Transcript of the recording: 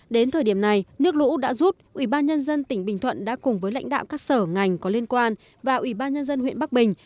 đến thời điểm này nước lũ đã rút ủy ban nhân dân tỉnh bình thuận đã cùng với lãnh đạo các sở ngành có liên quan và ủy ban nhân dân huyện bắc bình